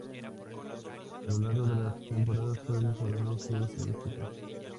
A lo largo de las temporadas fue mejorando sus estadísticas.